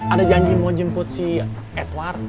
ada janji mau jemput si edward